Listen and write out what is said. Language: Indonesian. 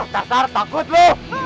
tasar takut lu